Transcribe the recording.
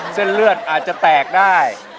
เส้นเลือดอาจจะแตกได้